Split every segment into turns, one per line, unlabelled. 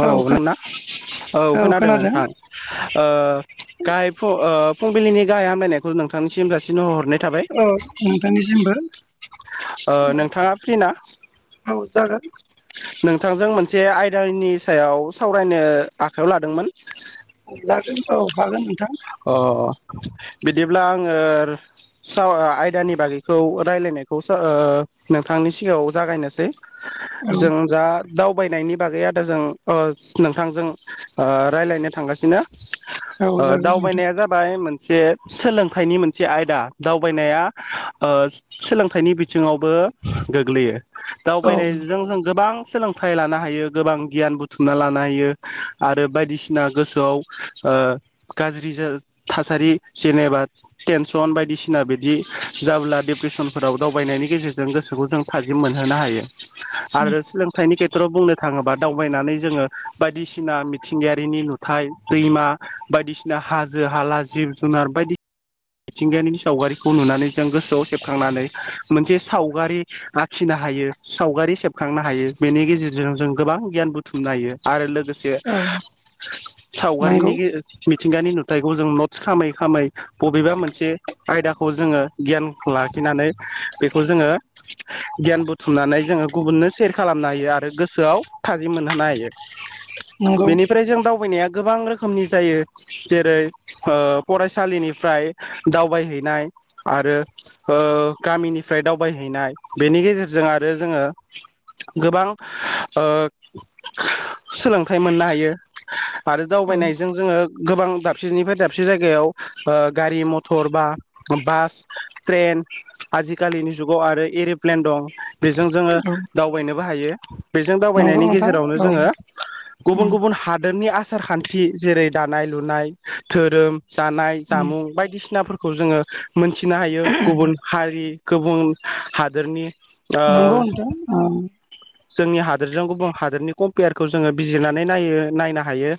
औ [unintelligible] औ खोनादों नोंथां ओ गाहाय फ ओ फुंबिलिनि गाहाय हामायनायखौ नोंथांनिसिम जासिनो हरनाय थाबाय
औ नोंथांनिसिमबो
[inaudible] ओ नोंथाङा फ्रि ना?
औ जागोन
नोंथांजों मोनसे आयदानि सायाव सावरायनो आखायाव लादोंमोन।
जागोन औ हागोन। नोंथां
अ बिदिब्ला आङो स आयदानि बागैखौ रायलायनायखौ सो ओ नोंथांनि सिगाङाव जागायनोसै।
औ
जों दा दावबायनायनि बागै आदाजों अ नोंथांजों ओ रायज्लायनो थांगासिनो।
औ
ओ
ज
दावबायनाया जाबाय मोन जे सोलोंथाइनि मोनसे आयदा दावबायनाया ओ सोलोंथाइनि बिथिङावबो गोग्लैयो।
औ
दावबायनायजों जों गोबां सोलोंथाइ लानो हायो गोबां गियान बुथुमना लानो हायो आरो बायदिसिना गोसोआव ओ गाज्रि दिजल थासारि जेनेबा टेनसन बायदिसिना बिदि जाब्ला डिप्रेसनफोराव दावबायनायनि गेजेरजों गोसोखौ जों थाजिम मोनहोनो हायो। आरो सोलोंथाइनि खेट फोराव बुंनो थाङोबा दावबायनानै जोङो बायदिसिना मिथिंगायारिनि नुथाय दैमा बायदिसिना दा हाजो हाला जिब जुनार बायदि मिथिंगायानि सावगारिखौ नुनानै जों गोसोआव सेबखांनानै मोनसे सावगारि आखिनो हायो सावगारि सेबखांनो हायो बेनि गेजेरजों जों गोबां गियान बुथुमनो हायो। आरो लोगोसे
औ नंगौ
सावगारिनि गे गानि नुथायखौ जों नथ्स खामै खामै बबेबा मोनसे आयदाखौ जोङो गियानखो लाखिनानै बेखौ जोङो गियान बुथुमनानै जोङो गुबुननो सेयार खालामनो हायो आरो गोसोआव थाजिम मोनहोनो हायो।
नंगौ
बेनिफ्राय जों दावबायनाया गोबां रोखोमनि जायो। जेरै ओ फरायसालिनिफ्राय दावबायहैनाय आरो ओ गामिनिफ्राय दावबायहैनाय बेनि गेजेरजों आरो जोङो गोबां ओ सोलोंथाइ मोननो हायो आरो
औ
दावबायनायजों जोङो गोबां दाबसेनिफ्राय दाबसे जायगायाव ओ गारि मथर बा बास ट्रेन आजिखालिनि जुगाव आरो एरप्लेन दं। बेजों जोङो
औ
दावबायनोबो हायो। औ बेजों
नंगौ
दावबायनायनि
नोंथां
गेजेरावनो
औ
जोङो गुबुन
उम
गुबुन हादोरनि आस आसारखान्थि जेरै दानाय लुनाय धोरोम जानाय
उम
जामुं बायदिसिनाफोरखौ खौ जोङो मोनथिनो हायो गुबुन हारि गुबुन हादोरनि ओ
नंगौ नोंथां ओं
जोंनि हा हादोरजों गुबुन हादोरनि कम्पेयारखौ जोङो बिजिरनानै नायो नायनो हायो।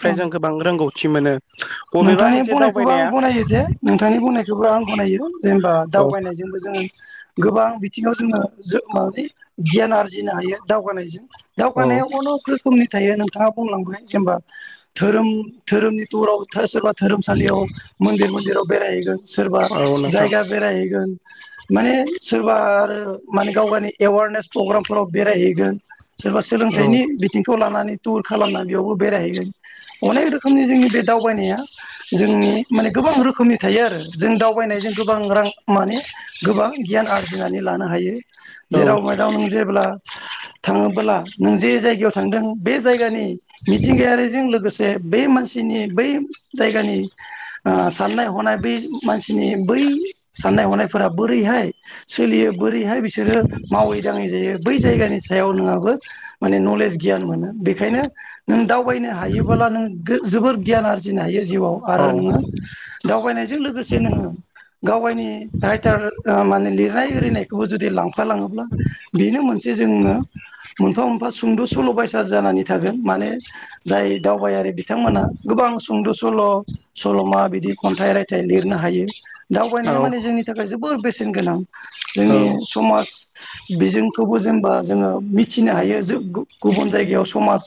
फ्राय
ओं
जों गोबां रोंगौ थि मोनो बबेबा
नोंथांनि
मोनसे
बुंनायखौबो आं
दावबायनाया
गनायो दे नोंथांनि बुंनायखौबो आं गनायो जेनेबा
औ
दावबायनायजोंबो जोङो गोबां बिथिङाव जोङो जो माबानि गियान आरजिनो हायो। दावगानायजों
औ
दावगानाया अनक रोखोमनि थायो ना थाङा बुंलांबाय जेनबा धोरोम धोरोमनि दराव थोस [unintelligible] धोरोमसालियाव मोन्दिर मोन्दिराव बेराय हैगोन सोरबा
औ नोंथां
जायगा बेरायहैगोन माने सोरबा आरो माने गाव गानि एवारनेस प्रग्रामफोराव बेरायहैगोन सोरबा
औ
सोलोंथाइनि बिथिंखौ लानानै टुर खालामना बेयावबो बेरायहैगोन अनेक रोखोमनि जोंनि बे दावबायनाया जोंनि माने गोबां रोखोमनि थायो आरो जों दावबायनायजों गोबां रां माने गोबां गियान आरजिनानै लानो हायो
औ
जेराव मेराव नों जेब्ला थाङोबोला नों जे जायगायाव थांदों बे जायगानि मिथिंगायारिजों लोगोसे जे बे मानसिनि बै जायगानि ओ साननाय हनाय बे मान सिनि बै साननाय हनायफोराबो रैहाय सोलियो बो रैहाय बिसोरो मावै दाङै जायो बै जायगानि सायाव नोंङाबो माने नलेज गियान मोनो बेखायनो नों दावबायनो हायोबोला नों गो जोबोर गियान आरजिनो हायो। जिउयाव आरो
औ
नोङो दावबायनायजों लोगोसे नोङो गाव गायनि रायथार ओ माने लिरनाय इरिनायखौबो जुदि लांफा लाङोब्ला बेनो मोनसे जोङो मोना मोना सुंद' सल' बायसा जानानै थागोन माने जाय दावबायारि बिथांमोना सुंद' सल' सल'मा बिदि खन्थाइ रायथाइ लिरनो हायो। दावबायनाया
औ
माने जोंनि थाखाय जोबोर बेस सेन गोनां
औ
जोंनि समाज बिजों खौबो जोंबा जोङो मिथिनो हायो जो गु गुबुन जायगायाव समाज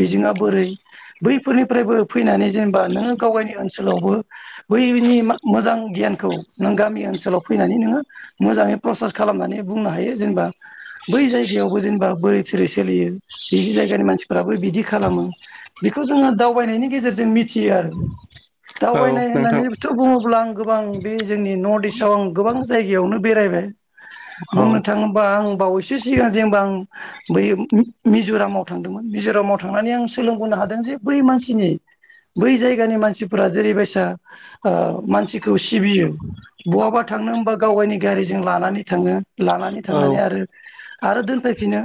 बिजोङा बोरै बैफोरनिफ्रायबो फैनानै जेनबा नोङो गाव गायनि ओनसोलावबो बैनि मा मोजां गियानखौ नों गामि ओनसोलाव फैनानै नोङो मोजाङै प्रसास खालामनानै बुंनो हायो जेनेबा बै जायगायावबो जेनेबा बोरै थोरै सोलियो बिजि जायगानि मानसिफ्राबो बिदि खालामो बेखौ जोङो दावबायनायनि गेजेरजों मि थियो आरो
औ
दावबायनाय
नोंथां
होननानैथ' बुङोब्ला आं गोबां बे जोंनि नदिस थ' आं गोबां जायगायावनो बेरायबाय।
औ
बुंनो थाङोबा आं बावैसो सिगां जेनेबा आं बै मि-मिज'रामाव थांदोंमोन मिज'रामाव थांनानै आं सोलोंबोनो हादों जे बै मानसिनि बै जायगानि मानसिफोरा जेरैबायसा ओ मानसिखौ सिबियो बहाबा थांनो हबा गाव गावनि गारिजों लानानै थाङो। लानानै थांनानै
औ
आरो आरो दोनफैफिनो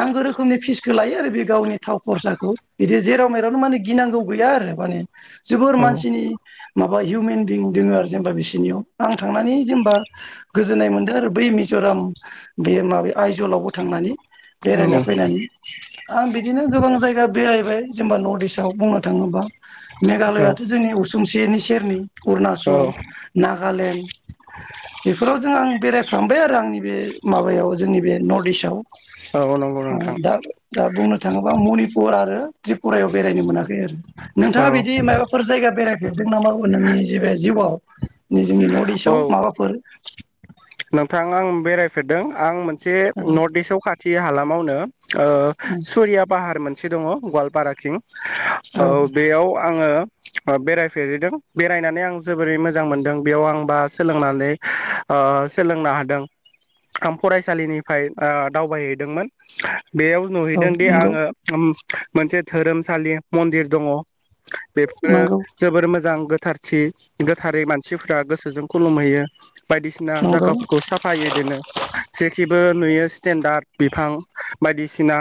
नांगौ रोखोमनि फिसखौ लायो आरो बे गावनि थाव खरसाखौ बिदि जेराव मेरावनो माने गिनांगौ [unintelligible] आरो मानि जोबोर
औ
मानसिनि माबा हिउमेन बिं दोङो आरो जेनेबा बिसोरनियाव आं थांनानै जेनेबा गोजोन्नाय मोनदो आरो बै मिज'राम बे माब आइजलावबो थांनानै बेरायना फैनानै
औ
आं बिदिनो गोबां जायगा बेरायबाय जेनबा नर्थ इस्टव बुङो थाङोबा मेघालयाथ' जोंनि उसुंसे निस केेरनि
औ
अरुणाचल ना गालेण्ड बेफोराव जों आं बेरायफ्राबाय आरो आंनि बे माबायाव जोंनि बे नर्थ इस्टआव
औ नंगौ नोंथां।
दा दा बुंनो थाङोबा मनिपुर आरो त्रिपुरायाव बेरायनो मोनाखै आरो
औ
नोंथाङा बिदि मायबाफोर जायगा बेराय बेेरदों नामावो नोंनि जे बे जिउआव नै जोंनि नर्थ
औ
इस्टआव माबाफोर?
नोंथां आं बेरायफेरदों आं मोन से नर्थ इस्टआव खाथि हालामावनो ओ सुरिया पाहार मोनसे दङ। गल्पाराथिं औ बेयाव आङो ओ बेरायफेरहैदों बेरायनानै आं जोबोरै मोजां मोनदों बेयाव आं बा सोलोंनानै ओ सोलोंनो हादों आं फरायसालिनिफ्राय ओ दावबायहैदोंमोन। बेयाव
औ
नुहैदों दि
नंगौ
आङो उम मोनसे धोरोमसालि मन्दिर दङ। बेफोरो
नंगौ
जोबोर मोजां गो थारथि गोथारै मानसिफ्रा गोसोजों खुलुमहैयो बायदिसिना जा
नंगौ
गावफोरखौ साफायोदिनो जेखि बो नुयो स्टेेनडार्ड बिफां बायदिसिना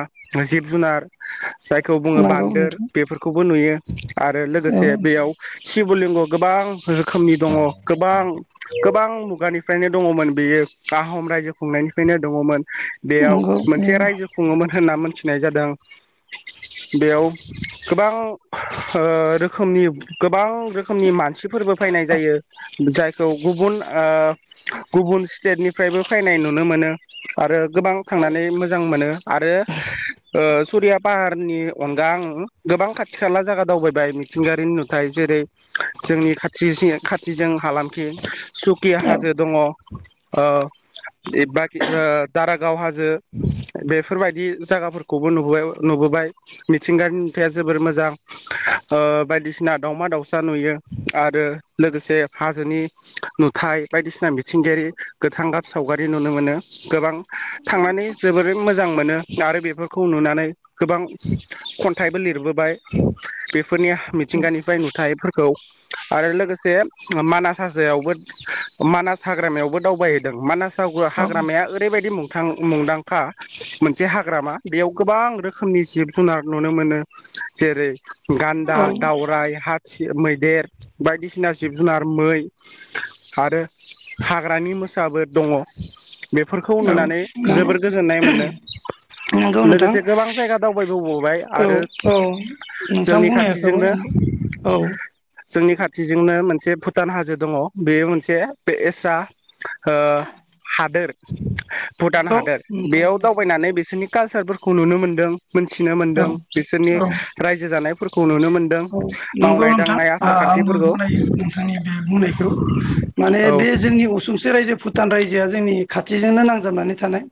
जिब जुनार जायखौ बुङो
नंगौ
बान्दोर
नोंथां
बेफोरखौबो नुयो। [inaudible] आरो
औ
लोगोसे बेयाव शिब लिंग गोबां रोखोमनि दङ गोबां गोबां मुगानि फ्रायनो दङमोन बेयो आहम रायजो फ खुंनायनिफ्रायनो दङमोन बेयाव
नंगौ
मोनसे रायजो खुङोमोन होनना मोन थिनाय जादों बेयाव गोबां ओ रोखोमनि गोबां। रोखोमनि मानसिफोरबो फानाय जायो जाय खौ गुबुन ओ गुबुन स्टेटनिफ्रायबो फानाय नुनो मोनो आरो गोबां थांनानै मोजां मोनो आरो ओ सुरिया पाहारनि अनगा आं गोबां खाथि खाला जायगा दावबायबाय मिथिंगायारिनि नुथाय जेरै जोंनि खाथि जि खाथिजों हालामखिं सुकिया
औ
हाजो दङ ओ बे बाखि ओ दारागाव हाजो बेफोरबायदि जायगाफोरखौबो नुबोबाय नुबोबाय मिथिंगानि नुथाया जोबोर मोजां ओ बायदिसिना दावमा दावसा नुयो आरो लोगोसे हाजोनि नुथाय बायदिसिना मिथिंगायारि गोथां गाब सावगारि नुनो मोनो गोबां थांनानै जोबोरै मोजां मोजां मोनो आरो बेफोरखौ नुनानै गोबां खन्थाइबो लिरबोबाय। फोरनि मिथिंगानिफ्राय नुथायफोरखौ आरो लोगोसे मानास हाजोयावबो मानास हाग्रामायावबो दावबायहैदों मानास जावबो हाग्रामाया ओरैबायदि मुं थां मुंदांखा मोनसे हाग्रामा बेयाव गोबां रोखोमनि जिब जुनार नुनो मोनो जेरै गान्दा
औ
दावराय हा मैदेर बायदिसिना जिब जुनार मै आरो हाग्रानि मोसाबो दङ बेफोरखौ
औ
नुनानै
नंगौ
जोबोर गोजोननाय मोनो
नंगौ नोंथां
लोगोसे गोबां जायगा दावबायबोबावबाय
औ
आरो
औ नोंथां
जोंनि
बुंनायखौबो
खाथिजोंनो
औ
जोंनि खाथिजोंनो मोनसे फु भुटान हाजो दङ बेयो मोनसे बेसा ओ हादोर भुटान
नंगौ
हादोर
नोंथां
बेयाव
बुंनायाबो
दावबायनानै बिसोरनि कालसारफोरखौ नुनो मोनदों मोनथिनो
औ
मोनदों बिसोरनि
औ
रायजो जानाय खौ नुनो मोनदों
औ नंगौ
मावनाय
नोंथां
दांनाय आसार
आंबो
खान्थिफोरखौ [inaudible]
गनायो नोंथांनि बे बुंनायखौ माने बे जोंनि असुंसे रायजो भुटान रायजोआ जोंनि खाथिजोंनो नांजाबनानै थानाय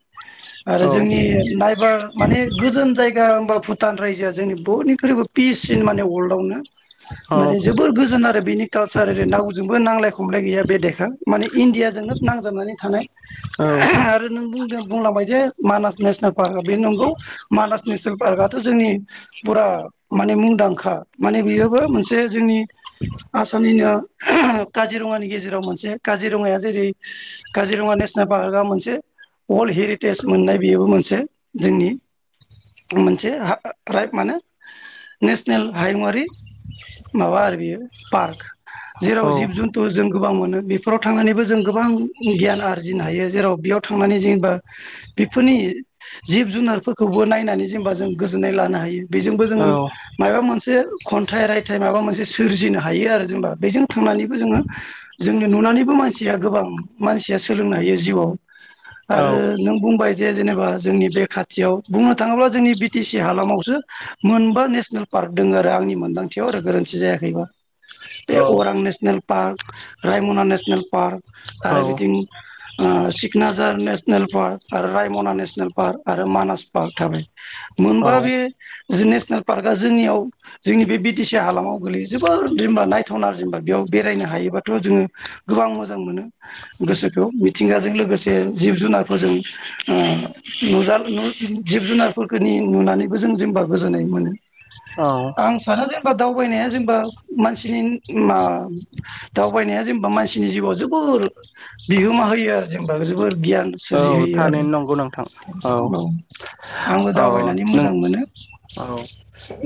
आरो
औ
जोंनि नायबार माने गोजोन जायगा होनबा भुटान रायजोआ जोंनि बयनिख्रुइबो पिससिन माने [unintelligible]
औ
माने जोबोर गोजोन आरो बेनि कालसार रावजोंबो नांलाय खमलाय गैया बे देखा माने इण्डियाजोंनो नांजाबनानै थानाय [unintelligible] आरो नों बुंदों बुंलांबाय जे मानास नेसनेल पार्कआ बे नंगौ मानास नेसनेल पार्कआथ' जोंनि फुरा माने मुंदांखा माने बेयोबो मोनसे जोंनि आसामनिनो [unintelligible] काजिरङानि गेजेराव मोनसे काजिरङाया जेरै काजिरङा नेसनेल पार्कआ मोनसे वर्ल्ड हेरिटेज मोननाय बेयोबो मोनसे जोंनि मोनसे राइ माने नेसनेल हायुङारि माबा आरो बेयो पार्क
औ
जेराव जिब जुन्थु जों गोबां मोनो। बे बे फोराव थांनानैबो जों गोबां गियान आरजिनो हायो जेराव बेयाव थांनानै जेनेबा बेफोरनि जिब जुनारफोरखौबो नायनानै जेनेबा जों गोजोननाय लानो हायो बेजोंबो जोङो
औ
मायबा मोनसे एसे खन्थाइ रायथाइ माबा मोनसे सोरजिनो हायो आरो जेनबा बेजों थांनानैबो जोङो जोंनि नुनानैबो मानसिया गोबां मानसिया सोलोंनो हायो जिउआव, आरो
औ
नों बुंबाय जे जेनेबा जोंनि बे खाथियाव बुंनो थाङोब्ला जोंनि बि टि सि हालामावसो मोनबा नेसनेल पार्क दों आरो आंनि मोनदांथियाव आरो गोरोन्थि जायाखैबा। बे अरां नेसनेल पार्क रायमना नेसनेल नेसनेल पार्क आरो बिथिं सिकनाझार नेसनेल पार्क आरो रायमना नेसनेल पार्क आरो मानास, थाबाय
औ
मोनबा बे नेसनेल पार्कआ जोंनियाव जोंनि बे बि टि सि हालामाव गोलैयो जोबोद जेनबा नायथावना जेनबा बेयाव बेरायनो हायोबाथ' जोङो गोबां मोजां मोनो गोसोखौ मिथिंगाजों लोगोसे जिब जुनारफोरजों ओ नुजा नु जिब जुनारफोरखौनि नुनानैबो जों जेनबा गोजोननाय मोनो
औ
आं सानो जेनेबा दाउ दावबायनाया जेनेबा मानसिनि मा दावबायनाया जेनेबा मानसिनि जिउआव जोबोर बिहोमा होयो आरो जेनेबा जोबोर गियान
औ
सोरजिहोयो आरो
थारैनो नंगौ नोंथां औ
आंबो
औ
दावबायनानै
नों
मोजां मोनो
औ नों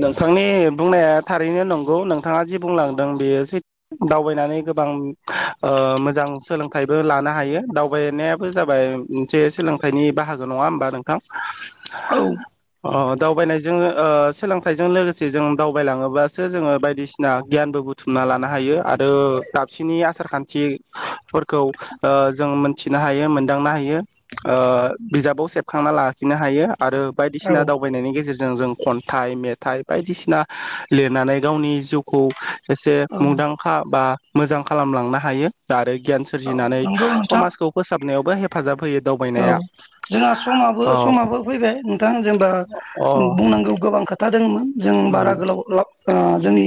नोंथांनि बुंनाया थारैनो नंगौ नोंथाङा जि बुंलांदों बेयो सै दावबायनानै गोबां मोजां सोलोंथाइबो लानो हायो दावबायनायाबो जाबाय मोनसे सोलोंथाइनि बाहागो नङा होमबा नोंथां
औ
अ दावबायनायजों ओ सोलोंथाइजों लोगोसे जों दावबायलाङोबासो जोङो बायदिसिना गियानबो बुथुमना लानो हायो आरो दाबसेनि आसार खान्थिफोरखौ ओ जोंङो मोनथिनो हायो दांनो हायो ओ बिजाबाव सेबखांना लाखिनो हायो आरो
औ
बायदिसिना दावबायनायनि गेजेरजों जों जों खन्थाइ मेथाइ बायदिसिना लिरनानै गावनि जिउखौ जसे
औ
मुंदांखा बा मोजां खालामलांनो हायो दारै गियान
औ
सोरजिनानै
नंगौ नोंथां
समाजखौ फोसाब बो हेफाजाब होयो
औ जोंहा समाबो
औ
समाबो फैबाय नोंथां जेनेबा
अ
बुंनांगौ गोबां खोथा था दोंमोन जों बारा
उम
गोलाव खालाम ओ जोंनि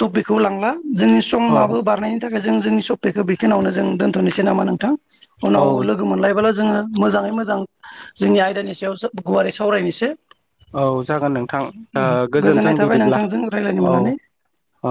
टपिकखौ लांला जोंनि सम
औ
आबो बारनायनि थाखाय जों जोंनि सप्पिखौ बेखिनिआवनो जों दोनथनोसै नामा नोंथां
औ
उनाव लोगो मोनलायबाल मोजाङै मोजां औ जोंनि आयदानि सायावसो गुवारै सावरायनोसो
औ जागोन नोंथां ओ
गोजोननाय
गोजोन्थों
थाबाय
बिदिब्ला
नोंथांजों रायज्लायनो
औ
मोननानै
औ